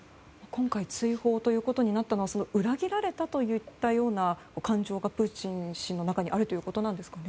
今回、追放となったのは裏切られたといったような感情がプーチン氏の中にあるということでしょうか。